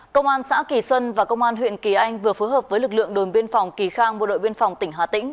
công an xã kỳ xuân và công an huyện kỳ anh vừa phối hợp với lực lượng đồn biên phòng kỳ khang bộ đội biên phòng tỉnh hà tĩnh